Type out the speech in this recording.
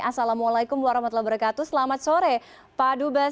assalamualaikum warahmatullahi wabarakatuh selamat sore pak dubes